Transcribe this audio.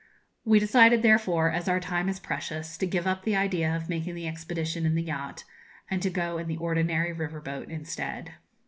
We decided, therefore, as our time is precious, to give up the idea of making the expedition in the yacht, and to go in the ordinary river boat instead.